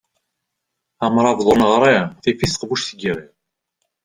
Amṛabeḍ ur neɣri, tif-it teqbuct n yiɣi.